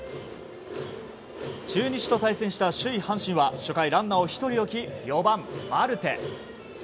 中日と対戦した首位、阪神は初回ランナーを１人置き４番、マルテ。